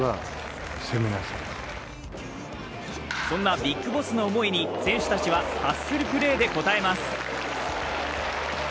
そんなビッグボスの思いに選手たちはハッスルプレーで応えます。